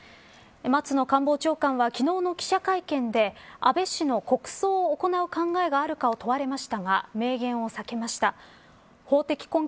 松野官房長官は昨日の記者会見で安倍氏の国葬を行う考えがあるかと問われましたが明言を避けました。